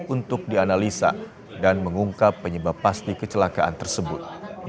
untuk dianalisa dan mengungkap penyebab pasti kecelakaan tersebut